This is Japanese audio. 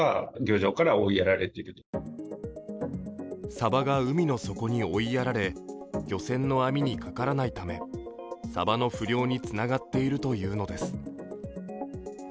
サバが海の底に追いやられ漁船の網にかからないためサバの不漁につながっているというのです。